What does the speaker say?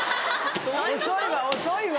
遅いわ遅いわ。